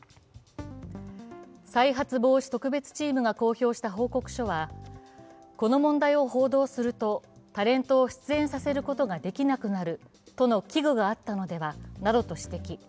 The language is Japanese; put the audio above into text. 再発防止特別チームが公表した報告書は、この問題を報道するとタレントを出演させることができなくなるとの危惧があったのではと指摘。